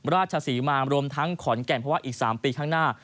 ราชศรีมารวมทั้งขอนแก่นเพราะว่าอีก๓ปีข้างหน้า